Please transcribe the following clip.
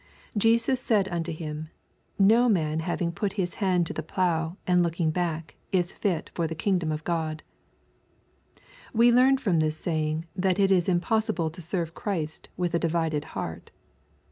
"Jesus said unto him, Ko man having put his hand to the plough, and looking back, is fit for the kingdom of God." We learn from this saying that it is impossible to serve Christ with a divided heart.